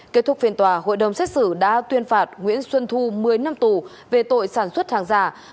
kết thúc phiên tòa hội đồng xét xử đã tuyên phạt nguyễn xuân thu một mươi năm tù về tội sản xuất hàng giả